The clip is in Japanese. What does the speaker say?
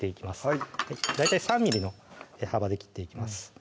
はい大体３ｍｍの幅で切っていきます